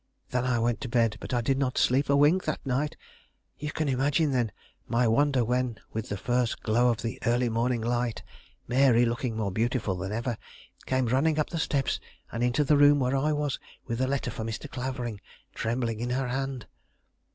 Then I went to bed, but I did not sleep a wink that night. You can imagine, then, my wonder when, with the first glow of the early morning light, Mary, looking more beautiful than ever, came running up the steps and into the room where I was, with the letter for Mr. Clavering trembling in her hand.